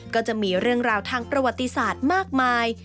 ก็จะมีเรื่องราวทางประวัติศาสตร์มากมาย